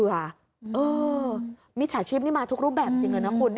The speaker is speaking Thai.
มิจฉาชีพนี่มาทุกรูปแบบจริงเลยนะคุณ